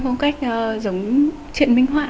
phong cách giống chuyện minh họa